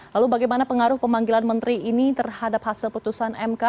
lalu bagaimana pengaruh pemanggilan menteri ini terhadap hasil putusan mk